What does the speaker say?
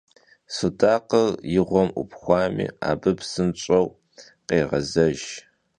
Sudakhır yi ğuem 'Upxuami, abı psınş'eu khêğezejj.